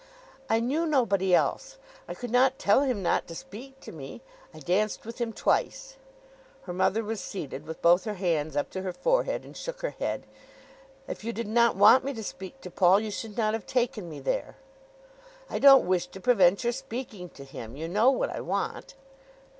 "I knew nobody else. I could not tell him not to speak to me. I danced with him twice." Her mother was seated, with both her hands up to her forehead, and shook her head. "If you did not want me to speak to Paul you should not have taken me there." "I don't wish to prevent your speaking to him. You know what I want."